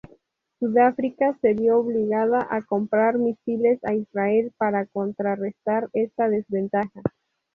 Sudáfrica se vio obligada a comprar misiles a Israel para contrarrestar esta desventaja.